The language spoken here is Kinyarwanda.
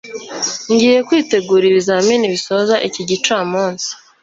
ngiye kwitegura ibizamini bisoza iki gicamunsi